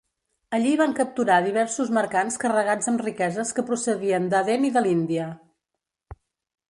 Allí van capturar diversos mercants carregats amb riqueses que procedien d'Aden i de l'Índia.